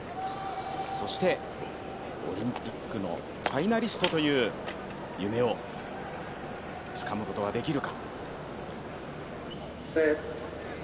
そして、オリンピックのファイナリストという夢をつかむことはできるか。